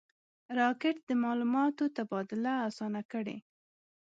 راکټ د معلوماتو تبادله آسانه کړې